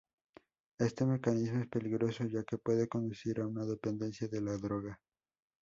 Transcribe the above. Este mecanismo es peligroso, ya que puede conducir a una dependencia de la droga.